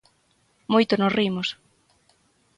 Moito nos rimos.